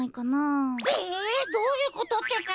ええどういうことってか？